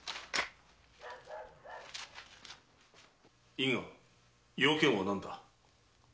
伊賀用件は何だ？